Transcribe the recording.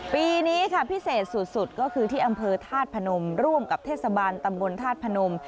ปีนี้ค่ะพิเศษสุดก็คือที่อำเภอธาตุพนมร่วมกับเทศบาลตำบลธาตุพนม